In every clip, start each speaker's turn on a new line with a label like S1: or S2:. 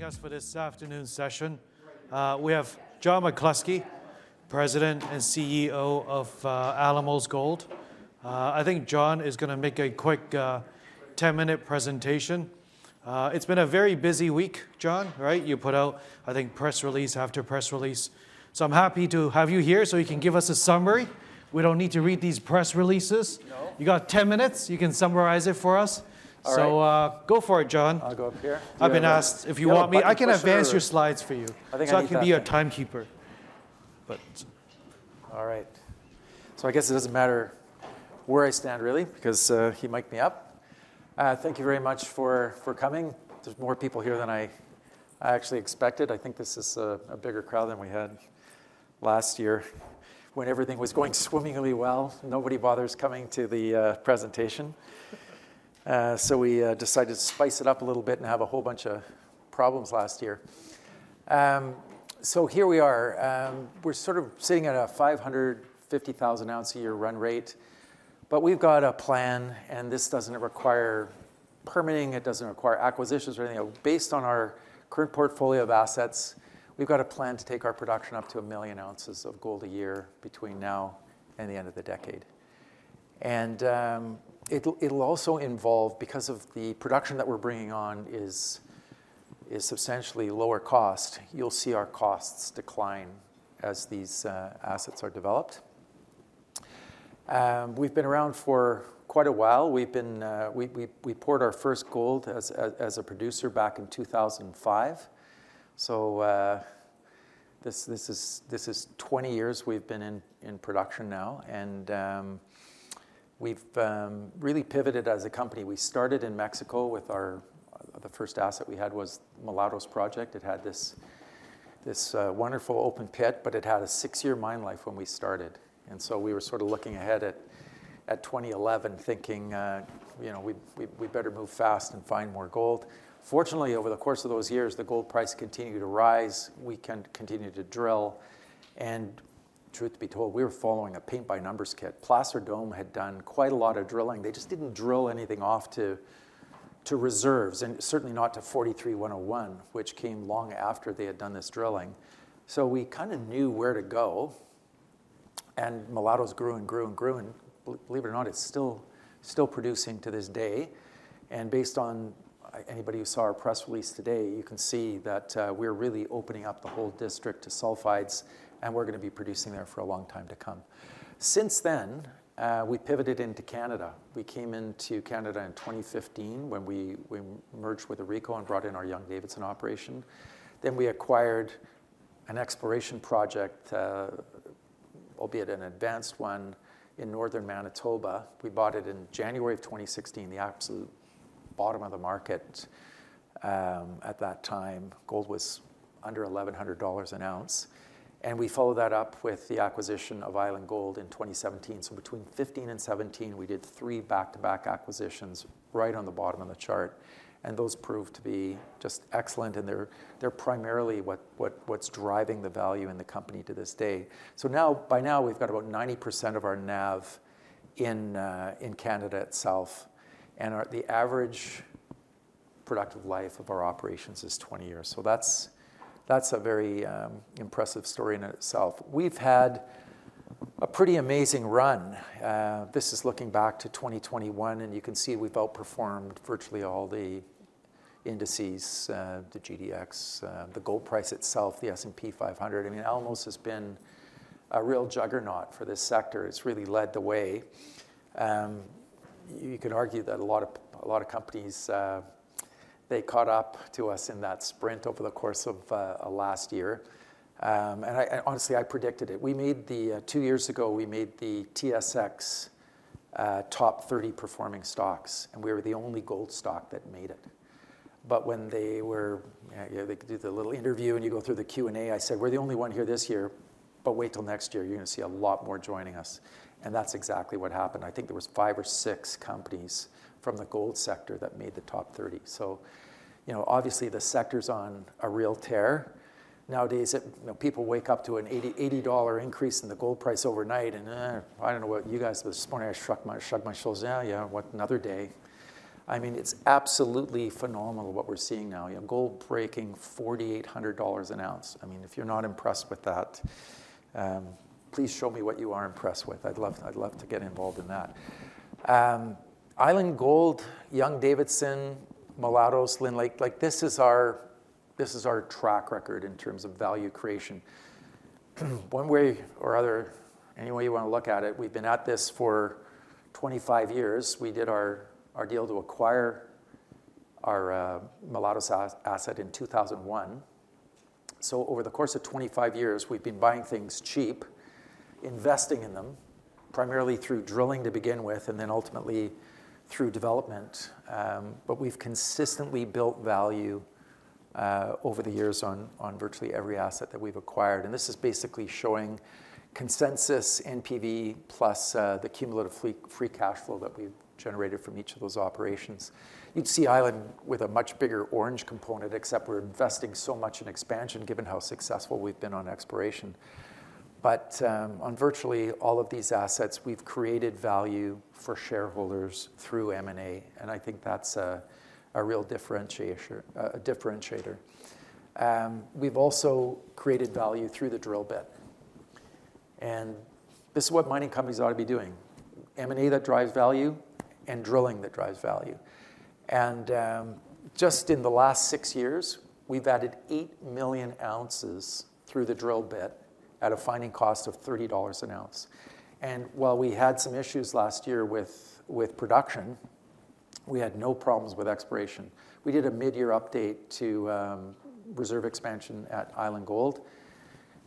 S1: Joining us for this afternoon's session. We have John McCluskey, President and CEO of Alamos Gold. I think John is gonna make a quick, ten-minute presentation. It's been a very busy week, John, right? You put out, I think, press release after press release. So I'm happy to have you here so you can give us a summary. We don't need to read these press releases.
S2: No.
S1: You got ten minutes. You can summarize it for us.
S2: All right.
S1: So, go for it, John.
S2: I'll go up here?
S1: I've been asked if you want me-
S2: You have a button pusher or-
S1: I can advance your slides for you.
S2: I think I can do that.
S1: So I can be your timekeeper, but...
S2: All right. So I guess it doesn't matter where I stand, really, because he mic'd me up. Thank you very much for coming. There's more people here than I actually expected. I think this is a bigger crowd than we had last year when everything was going swimmingly well. Nobody bothers coming to the presentation, so we decided to spice it up a little bit and have a whole bunch of problems last year, so here we are. We're sort of sitting at a 550,000 ounce a year run rate, but we've got a plan, and this doesn't require permitting. It doesn't require acquisitions or anything. Based on our current portfolio of assets, we've got a plan to take our production up to 1 million ounces of gold a year between now and the end of the decade, and it'll also involve, because of the production that we're bringing on is substantially lower cost, you'll see our costs decline as these assets are developed. We've been around for quite a while. We poured our first gold as a producer back in 2005, so this is 20 years we've been in production now, and we've really pivoted as a company. We started in Mexico. The first asset we had was Mulatos project. It had this wonderful open pit, but it had a six-year mine life when we started, and so we were sort of looking ahead at 2011, thinking, you know, "We better move fast and find more gold." Fortunately, over the course of those years, the gold price continued to rise. We continued to drill, and truth be told, we were following a paint-by-numbers kit. Placer Dome had done quite a lot of drilling. They just didn't drill anything off to reserves, and certainly not to 43-101, which came long after they had done this drilling. So we kinda knew where to go, and Mulatos grew and grew and grew, and believe it or not, it's still producing to this day. And based on anybody who saw our press release today, you can see that we're really opening up the whole district to sulfides, and we're gonna be producing there for a long time to come. Since then, we pivoted into Canada. We came into Canada in 2015, when we merged with AuRico and brought in our Young-Davidson operation. Then, we acquired an exploration project, albeit an advanced one, in northern Manitoba. We bought it in January of 2016, the absolute bottom of the market. At that time, gold was under $1,100 an ounce, and we followed that up with the acquisition of Island Gold in 2017. So between 2015 and 2017, we did three back-to-back acquisitions right on the bottom of the chart, and those proved to be just excellent, and they're primarily what's driving the value in the company to this day. So now, by now, we've got about 90% of our NAV in Canada itself, and the average productive life of our operations is 20 years. So that's a very impressive story in itself. We've had a pretty amazing run. This is looking back to 2021, and you can see we've outperformed virtually all the indices, the GDX, the gold price itself, the S&P 500. I mean, Alamos has been a real juggernaut for this sector. It's really led the way. You can argue that a lot of companies they caught up to us in that sprint over the course of last year, and honestly, I predicted it. Two years ago, we made the TSX top 30 performing stocks, and we were the only gold stock that made it. Yeah, they do the little interview, and you go through the Q&A. I said, "We're the only one here this year, but wait till next year, you're gonna see a lot more joining us," and that's exactly what happened. I think there was five or six companies from the gold sector that made the top 30. So, you know, obviously, the sector's on a real tear. Nowadays, you know, people wake up to an $80 increase in the gold price overnight, and, "Eh, I don't know what you guys..." This morning, I shrugged my shoulders, "Yeah, yeah. What? Another day." I mean, it's absolutely phenomenal what we're seeing now. You know, gold breaking $4,800 an ounce. I mean, if you're not impressed with that, please show me what you are impressed with. I'd love to get involved in that. Island Gold, Young-Davidson, Mulatos, Lynn Lake, like, this is our track record in terms of value creation. One way or other, any way you wanna look at it, we've been at this for 20-five years. We did our deal to acquire our Mulatos asset in 2001. Over the course of 20-five years, we've been buying things cheap, investing in them, primarily through drilling to begin with, and then ultimately through development. But we've consistently built value over the years on virtually every asset that we've acquired, and this is basically showing consensus NPV plus the cumulative free cash flow that we've generated from each of those operations. You'd see Island with a much bigger orange component, except we're investing so much in expansion, given how successful we've been on exploration, but on virtually all of these assets, we've created value for shareholders through M&A, and I think that's a real differentiator. We've also created value through the drill bit, and this is what mining companies ought to be doing: M&A that drives value and drilling that drives value. Just in the last six years, we've added eight million ounces through the drill bit at a finding cost of $30 an ounce. While we had some issues last year with production, we had no problems with exploration. We did a mid-year update to reserve expansion at Island Gold.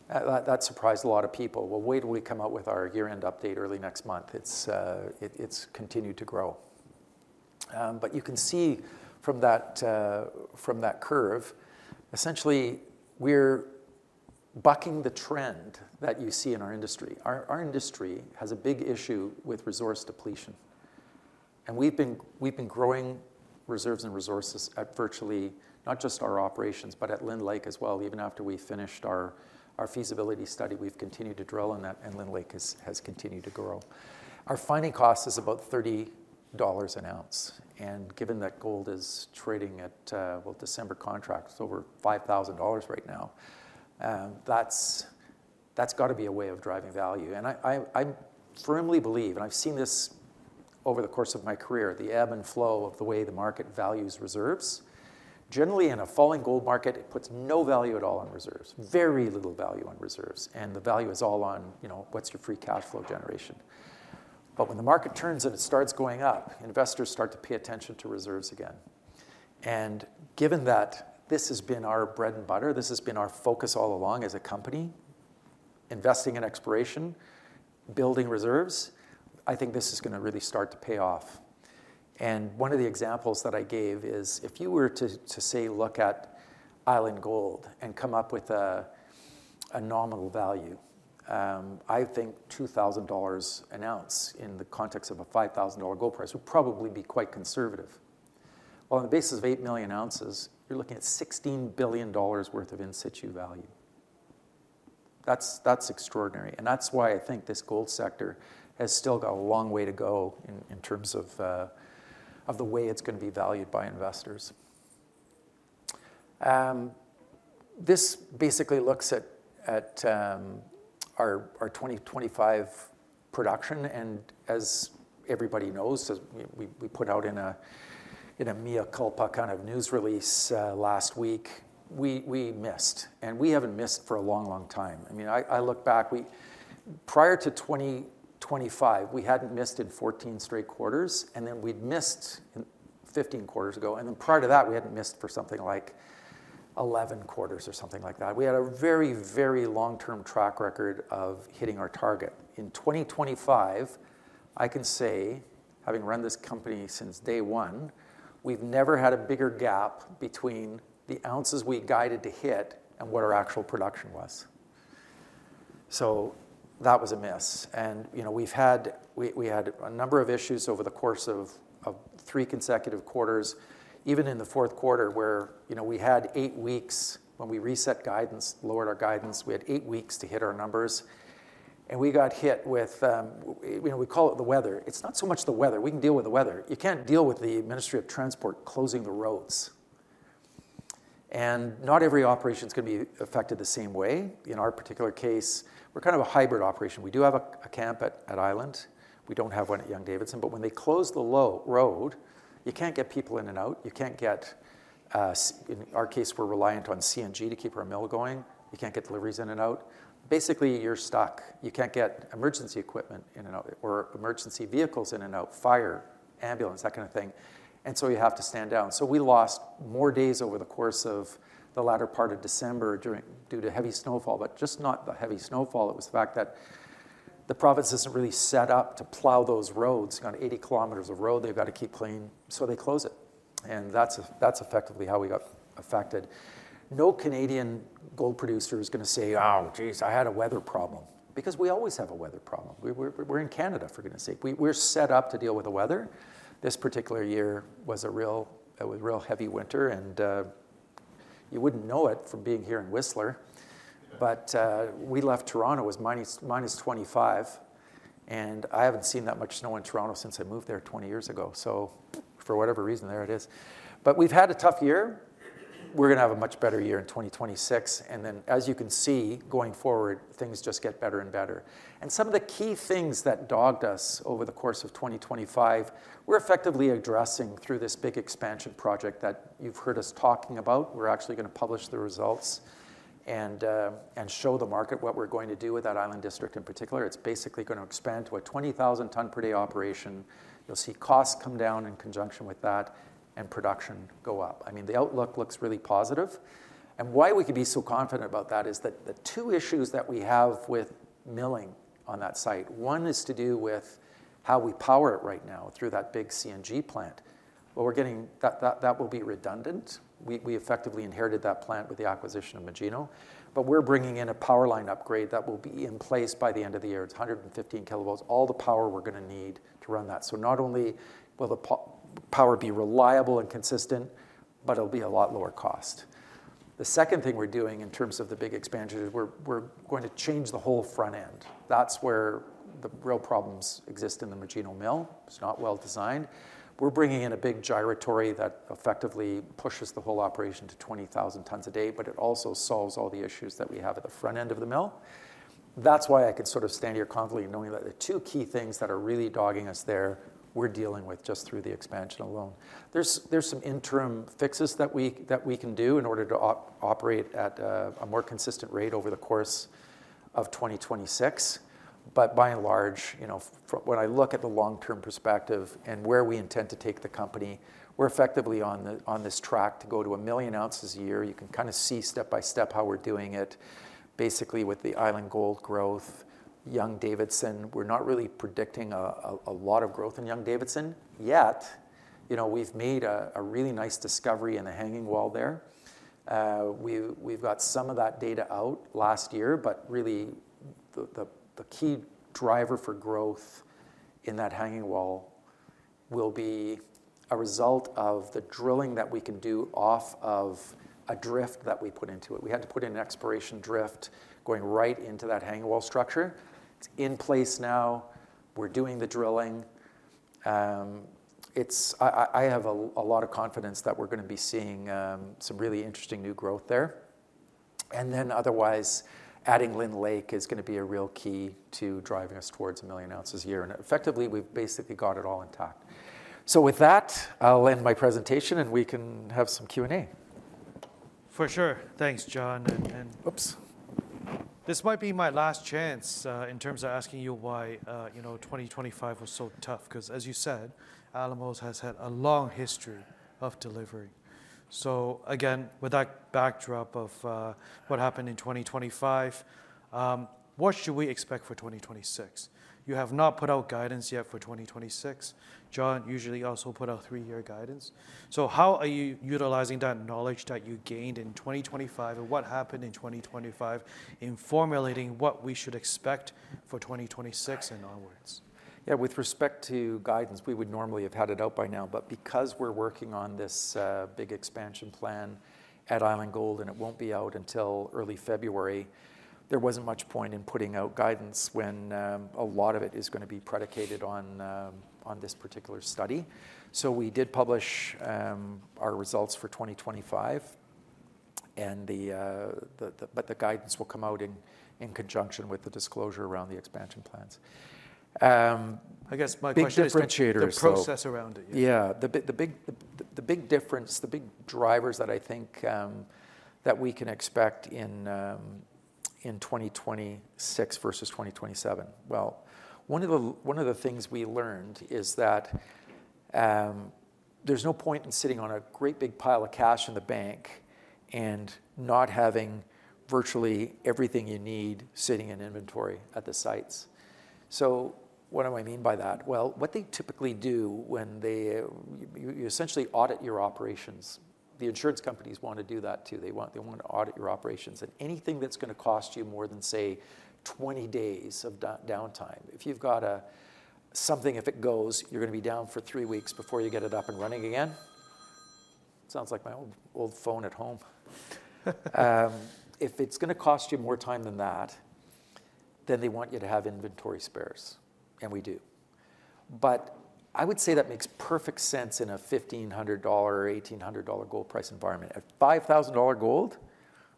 S2: That surprised a lot of people. Wait till we come out with our year-end update early next month. It's continued to grow. But you can see from that curve, essentially, we're bucking the trend that you see in our industry. Our industry has a big issue with resource depletion, and we've been growing reserves and resources virtually not just at our operations, but at Lynn Lake as well. Even after we finished our feasibility study, we've continued to drill in that, and Lynn Lake has continued to grow. Our finding cost is about $30 an ounce, and given that gold is trading at, well, December contract, it's over $5,000 right now, that's gotta be a way of driving value. And I firmly believe, and I've seen this over the course of my career, the ebb and flow of the way the market values reserves. Generally, in a falling gold market, it puts no value at all on reserves, very little value on reserves, and the value is all on, you know, what's your free cash flow generation? But when the market turns and it starts going up, investors start to pay attention to reserves again. Given that this has been our bread and butter, this has been our focus all along as a company, investing in exploration, building reserves, I think this is gonna really start to pay off. One of the examples that I gave is, if you were to say look at Island Gold and come up with a nominal value, I think $2,000 an ounce in the context of a $5,000 gold price would probably be quite conservative. On the basis of 8 million ounces, you're looking at $16 billion worth of in-situ value. That's extraordinary, and that's why I think this gold sector has still got a long way to go in terms of of the way it's gonna be valued by investors. This basically looks at our 2025 production, and as everybody knows, we put out a mea culpa kind of news release last week, we missed, and we haven't missed for a long, long time. I mean, I look back prior to 2025, we hadn't missed in 14 straight quarters, and then we'd missed in 15 quarters ago, and then prior to that, we hadn't missed for something like 11 quarters or something like that. We had a very, very long-term track record of hitting our target. In 2025, I can say, having run this company since day one, we've never had a bigger gap between the ounces we guided to hit and what our actual production was. So that was a miss, and, you know, we've had... We had a number of issues over the course of three consecutive quarters, even in the fourth quarter, where you know, we had eight weeks when we reset guidance, lowered our guidance, we had eight weeks to hit our numbers, and we got hit with, you know, we call it the weather. It's not so much the weather. We can deal with the weather. You can't deal with the Ministry of Transport closing the roads, and not every operation is gonna be affected the same way. In our particular case, we're kind of a hybrid operation. We do have a camp at Island. We don't have one at Young-Davidson, but when they close the road, you can't get people in and out. You can't get supplies in our case, we're reliant on CNG to keep our mill going. You can't get deliveries in and out. Basically, you're stuck. You can't get emergency equipment in and out or emergency vehicles in and out, fire, ambulance, that kind of thing, and so you have to stand down. So we lost more days over the course of the latter part of December due to heavy snowfall, but just not the heavy snowfall, it was the fact that the province isn't really set up to plow those roads. You know, 80 km of road they've got to keep clean, so they close it, and that's effectively how we got affected. No Canadian gold producer is gonna say, "Oh, geez, I had a weather problem," because we always have a weather problem. We're in Canada, for goodness' sake. We're set up to deal with the weather. This particular year was a real heavy winter, and you wouldn't know it from being here in Whistler, but we left Toronto, it was minus 25 degrees Celsius, and I haven't seen that much snow in Toronto since I moved there 20 years ago. So for whatever reason, there it is, but we've had a tough year. We're gonna have a much better year in 2026, and then, as you can see, going forward, things just get better and better, some of the key things that dogged us over the course of 2025, we're effectively addressing through this big expansion project that you've heard us talking about. We're actually gonna publish the results and show the market what we're going to do with that Island District in particular. It's basically gonna expand to a 20,000 tonnes per day operation. You'll see costs come down in conjunction with that and production go up. I mean, the outlook looks really positive, and why we can be so confident about that is that the two issues that we have with milling on that site, one is to do with how we power it right now through that big CNG plant. What we're getting, that will be redundant. We effectively inherited that plant with the acquisition of Magino, but we're bringing in a power line upgrade that will be in place by the end of the year. It's 115 kV, all the power we're gonna need to run that. So not only will the power be reliable and consistent, but it'll be a lot lower cost. The second thing we're doing in terms of the big expansion is we're going to change the whole front end. That's where the real problems exist in the Magino Mill. It's not well designed. We're bringing in a big gyratory that effectively pushes the whole operation to 20,000 tons a day, but it also solves all the issues that we have at the front end of the mill. That's why I can sort of stand here confidently, knowing that the two key things that are really dogging us there, we're dealing with just through the expansion alone. There's some interim fixes that we can do in order to operate at a more consistent rate over the course of 2026. But by and large, you know, when I look at the long-term perspective and where we intend to take the company, we're effectively on this track to go to 1 million ounces a year. You can kinda see step by step how we're doing it, basically with the Island Gold growth, Young-Davidson, we're not really predicting a lot of growth in Young-Davidson yet. You know, we've made a really nice discovery in the hanging wall there. We've got some of that data out last year, but really, the key driver for growth in that hanging wall will be a result of the drilling that we can do off of a drift that we put into it. We had to put in an exploration drift going right into that hanging wall structure. It's in place now, we're doing the drilling. I have a lot of confidence that we're gonna be seeing some really interesting new growth there, and then otherwise, adding Lynn Lake is gonna be a real key to driving us towards 1 million ounces a year, and effectively, we've basically got it all intact, so with that, I'll end my presentation, and we can have some Q&A.
S1: For sure. Thanks, John.
S2: Oops!
S1: This might be my last chance in terms of asking you why you know, 2025 was so tough, 'cause as you said, Alamos has had a long history of delivering. So again, with that backdrop of what happened in 2025, what should we expect for 2026? You have not put out guidance yet for 2026. John usually also put out three-year guidance. So how are you utilizing that knowledge that you gained in 2025, and what happened in 2025, in formulating what we should expect for 2026 and onwards?
S2: Yeah, with respect to guidance, we would normally have had it out by now, but because we're working on this big expansion plan at Island Gold, and it won't be out until early February, there wasn't much point in putting out guidance when a lot of it is gonna be predicated on this particular study. So we did publish our results for 2025, but the guidance will come out in conjunction with the disclosure around the expansion plans.
S1: I guess my question is...
S2: Big differentiators, though....
S1: the process around it.
S2: Yeah, the big difference, the big drivers that I think that we can expect in 2026 versus 2027. Well, one of the things we learned is that there's no point in sitting on a great big pile of cash in the bank and not having virtually everything you need sitting in inventory at the sites. So what do I mean by that? Well, what they typically do when they... You essentially audit your operations. The insurance companies wanna do that, too. They want to audit your operations, and anything that's gonna cost you more than, say, 20 days of downtime. If you've got something, if it goes, you're gonna be down for three weeks before you get it up and running again. Sounds like my old phone at home. If it's gonna cost you more time than that, then they want you to have inventory spares, and we do. But I would say that makes perfect sense in a $1,500 or $1,800 gold price environment. At $5,000 gold,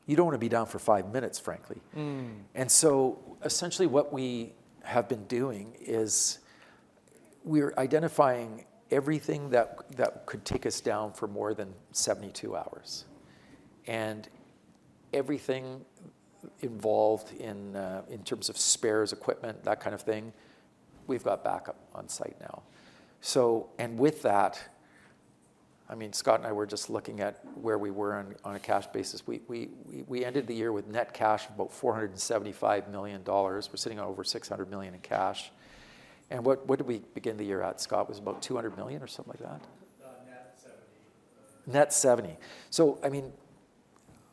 S2: you don't wanna be down for five minutes, frankly.
S1: Mm.
S2: And so essentially, what we have been doing is, we're identifying everything that could take us down for more than 72 hours. And everything involved in terms of spares, equipment, that kind of thing, we've got backup on site now. So and with that, I mean, Scott and I were just looking at where we were on a cash basis. We ended the year with net cash of about $475 million. We're sitting on over $600 million in cash, and what did we begin the year at, Scott? It was about $200 million or something like that?
S1: Net seventy.
S2: Net seventy. So I mean,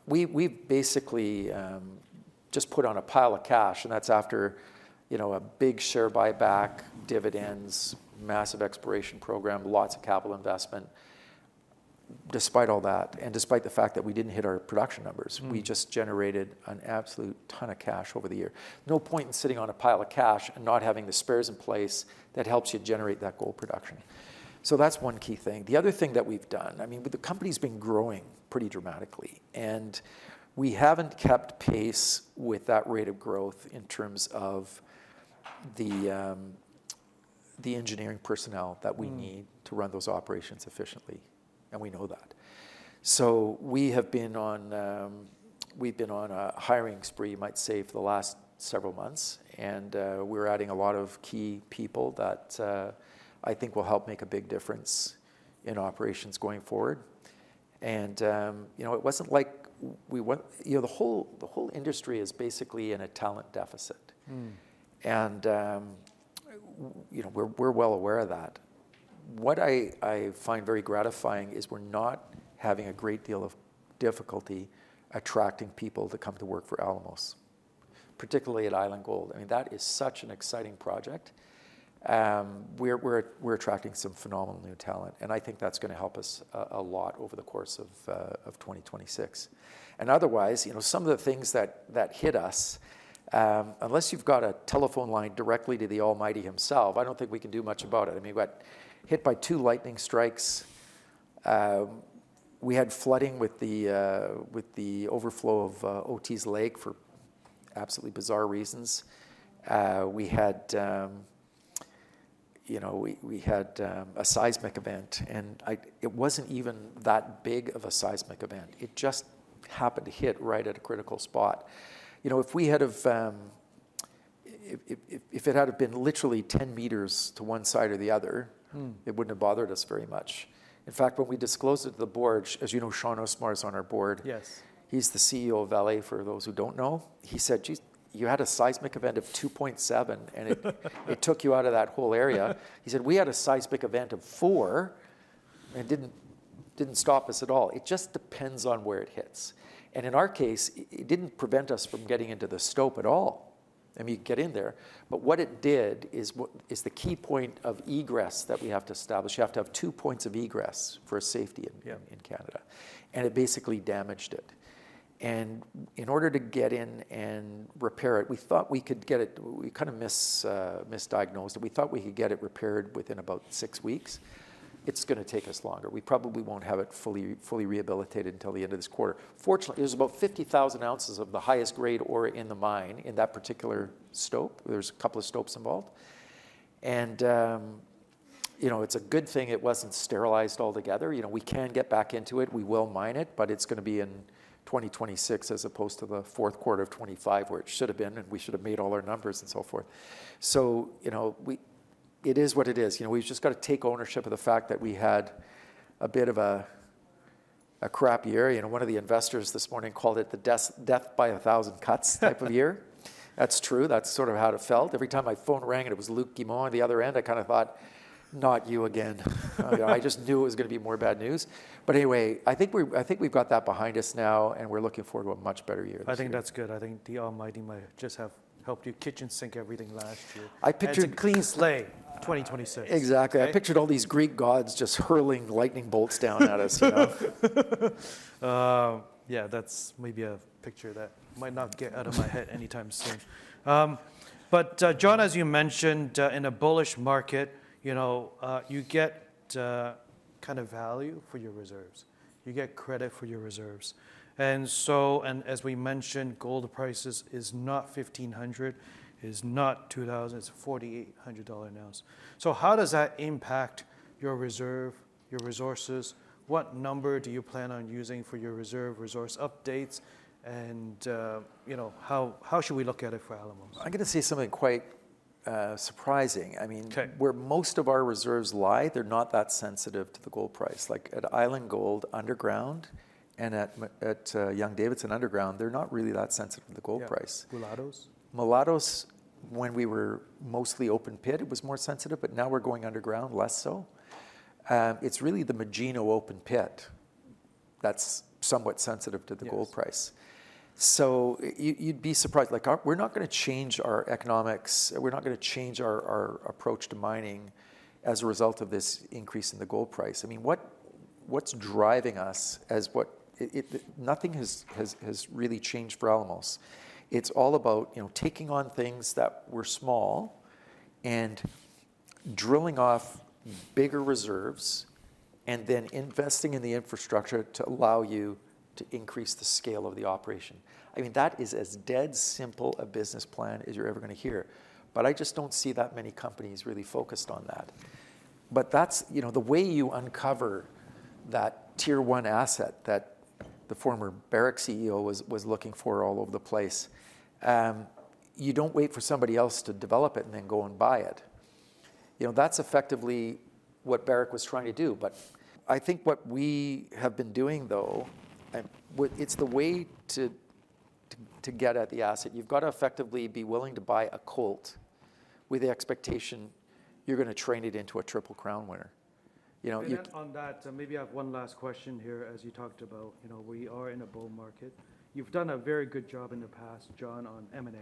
S2: we basically just put on a pile of cash, and that's after, you know, a big share buyback, dividends, massive exploration program, lots of capital investment. Despite all that, and despite the fact that we didn't hit our production numbers-
S1: Mm...
S2: we just generated an absolute ton of cash over the year. No point in sitting on a pile of cash and not having the spares in place that helps you generate that gold production. So that's one key thing. The other thing that we've done, I mean, but the company's been growing pretty dramatically, and we haven't kept pace with that rate of growth in terms of the engineering personnel that we need-
S1: Mm...
S2: to run those operations efficiently, and we know that. So we've been on a hiring spree, you might say, for the last several months, and we're adding a lot of key people that I think will help make a big difference in operations going forward. And you know, it wasn't like we want. You know, the whole industry is basically in a talent deficit.
S1: Mm.
S2: You know, we're well aware of that. What I find very gratifying is we're not having a great deal of difficulty attracting people to come to work for Alamos, particularly at Island Gold. I mean, that is such an exciting project. We're attracting some phenomenal new talent, and I think that's gonna help us a lot over the course of 2026. Otherwise, you know, some of the things that hit us, unless you've got a telephone line directly to the Almighty Himself, I don't think we can do much about it. I mean, we got hit by two lightning strikes. We had flooding with the overflow of Otisse Lake for absolutely bizarre reasons. We had, you know, a seismic event, and it wasn't even that big of a seismic event. It just happened to hit right at a critical spot. You know, if we had have... If it had have been literally 10 meters to one side or the other-
S1: Hmm...
S2: it wouldn't have bothered us very much. In fact, when we disclosed it to the board, as you know, Shaun Usmar is on our board.
S1: Yes.
S2: He's the CEO of Vale, for those who don't know. He said, "Geez, you had a seismic event of 2.7, and it took you out of that whole area." He said, "We had a seismic event of four, and it didn't stop us at all." It just depends on where it hits, and in our case, it didn't prevent us from getting into the stope at all. I mean, you get in there, but what it did is the key point of egress that we have to establish. You have to have two points of egress for safety in-
S1: Yeah...
S2: in Canada, and it basically damaged it. And in order to get in and repair it, we thought we could get it. We kind of misdiagnosed it. We thought we could get it repaired within about six weeks. It's gonna take us longer. We probably won't have it fully rehabilitated until the end of this quarter. Fortunately, it was about 50,000 ounces of the highest grade ore in the mine, in that particular stope. There's a couple of stopes involved. And, you know, it's a good thing it wasn't sterilized altogether. You know, we can get back into it. We will mine it, but it's gonna be in 2026 as opposed to the fourth quarter of 2025, where it should have been, and we should have made all our numbers and so forth. So, you know, we. It is what it is. You know, we've just gotta take ownership of the fact that we had a bit of a, a crappy year. You know, one of the investors this morning called it the death by a thousand cuts type of year. That's true, that's sort of how it felt. Every time my phone rang and it was Luc Guimond on the other end, I kind of thought, "Not you again." I just knew it was gonna be more bad news. But anyway, I think we, I think we've got that behind us now, and we're looking forward to a much better year this year.
S1: I think that's good. I think the Almighty might just have helped you kitchen sink everything last year.
S2: I pictured-
S1: Clean slate 2026.
S2: Exactly.
S1: Right?
S2: I pictured all these Greek gods just hurling lightning bolts down at us, you know?
S1: Yeah, that's maybe a picture that might not get out of my head anytime soon. But, John, as you mentioned, in a bullish market, you know, you get kind of value for your reserves. You get credit for your reserves. And so, as we mentioned, gold prices is not $1,500, is not $2,000, it's a $4,800 an ounce. So how does that impact your reserve, your resources? What number do you plan on using for your reserve resource updates, and, you know, how should we look at it for Alamos?
S2: I'm gonna say something quite surprising. I mean-
S1: Okay...
S2: where most of our reserves lie, they're not that sensitive to the gold price. Like, at Island Gold underground and at Young-Davidson underground, they're not really that sensitive to the gold price.
S1: Yeah. Mulatos?
S2: Mulatos, when we were mostly open pit, it was more sensitive, but now we're going underground, less so. It's really the Magino open pit that's somewhat sensitive to the gold price.
S1: Yes.
S2: You'd be surprised. Like, our... We're not gonna change our economics. We're not gonna change our approach to mining as a result of this increase in the gold price. I mean, what's driving us. Nothing has really changed for Alamos. It's all about, you know, taking on things that were small, and drilling off bigger reserves, and then investing in the infrastructure to allow you to increase the scale of the operation. I mean, that is as dead simple a business plan as you're ever gonna hear, but I just don't see that many companies really focused on that. That's, you know, the way you uncover that tier one asset that the former Barrick CEO was looking for all over the place. You don't wait for somebody else to develop it and then go and buy it. You know, that's effectively what Barrick was trying to do, but I think what we have been doing, though, and it's the way to get at the asset. You've got to effectively be willing to buy a colt with the expectation you're gonna train it into a Triple Crown winner. You know, you-
S1: On that, maybe I have one last question here, as you talked about, you know, we are in a bull market. You've done a very good job in the past, John, on M&A.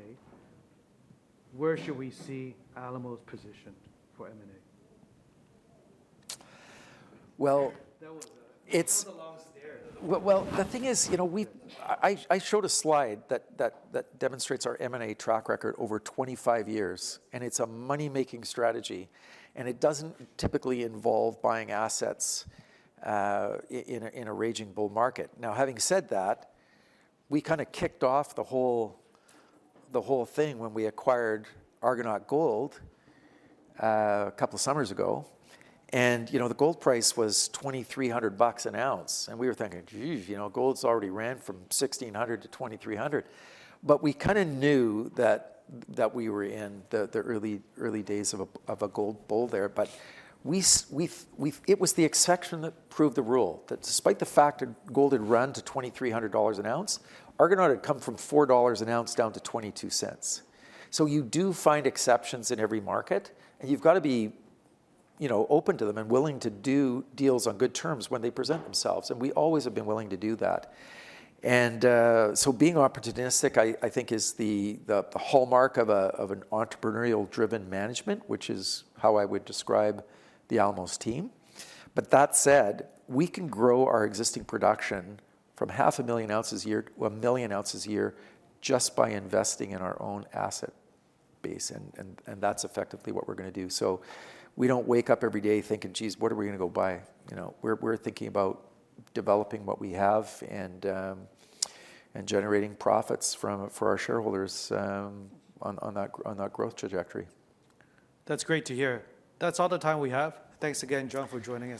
S1: Where should we see Alamos positioned for M&A?
S2: Well-
S1: That was a-
S2: It's-...
S1: That was a long stare.
S2: The thing is, you know, I showed a slide that demonstrates our M&A track record over 25 years, and it's a money-making strategy, and it doesn't typically involve buying assets in a raging bull market. Now, having said that, we kind of kicked off the whole thing when we acquired Argonaut Gold a couple of summers ago, and, you know, the gold price was $2,300 an ounce, and we were thinking, "Geez, you know, gold's already ran from $1,600 to $2,300." But we kind of knew that we were in the early days of a gold bull there. But we've... It was the exception that proved the rule, that despite the fact that gold had run to $2,300 an ounce, Argonaut had come from $4 an ounce down to $0.22. So you do find exceptions in every market, and you've got to be, you know, open to them and willing to do deals on good terms when they present themselves, and we always have been willing to do that. And so being opportunistic, I think is the hallmark of an entrepreneurial-driven management, which is how I would describe the Alamos team. But that said, we can grow our existing production from 500,000 ounces a year to 1 million ounces a year just by investing in our own asset base, and that's effectively what we're gonna do. So we don't wake up every day thinking, "Geez, what are we gonna go buy?" You know, we're thinking about developing what we have and generating profits from, for our shareholders, on that growth trajectory.
S1: That's great to hear. That's all the time we have. Thanks again, John, for joining us today.